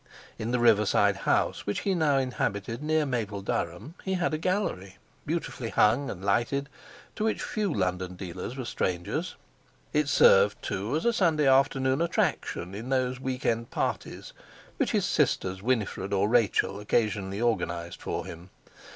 In the riverside house which he now inhabited near Mapledurham he had a gallery, beautifully hung and lighted, to which few London dealers were strangers. It served, too, as a Sunday afternoon attraction in those week end parties which his sisters, Winifred or Rachel, occasionally organised for him.